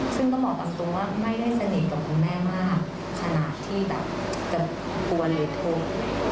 ซึ่งก็เหมาะกับตัวว่าไม่ได้สนิทกับคุณแม่มากขนาดที่แบบจะกลัวเลยโทษ